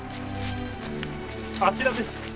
あちらです。